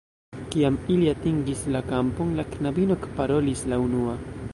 Kiam ili atingis la kampon, la knabino ekparolis la unua.